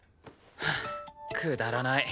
フンくだらない。